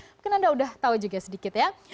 mungkin anda sudah tahu juga sedikit ya